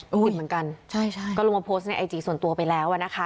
ก็ผิดเหมือนกันใช่ใช่ก็ลงมาโพสต์ในไอจีส่วนตัวไปแล้วอ่ะนะคะ